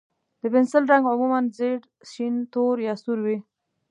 د پنسل رنګ عموماً ژېړ، شین، تور، یا سور وي.